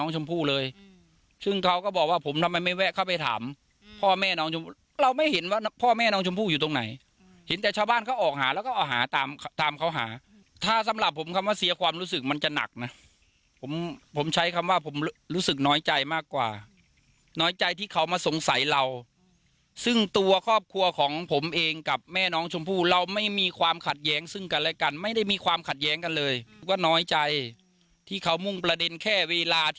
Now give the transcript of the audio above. ชมพู่อยู่ตรงไหนเห็นแต่ชาวบ้านเขาออกหาแล้วก็ออกหาตามตามเขาหาถ้าสำหรับผมคำว่าเสียความรู้สึกมันจะหนักนะผมผมใช้คำว่าผมรู้สึกน้อยใจมากกว่าน้อยใจที่เขามาสงสัยเราซึ่งตัวครอบครัวของผมเองกับแม่น้องชมพู่เราไม่มีความขัดแย้งซึ่งกันอะไรกันไม่ได้มีความขัดแย้งกันเลยว่าน้อยใจที่เขามุ่งประเด็นแค่เวล